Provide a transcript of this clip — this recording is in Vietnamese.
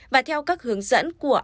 và theo các hướng dẫn của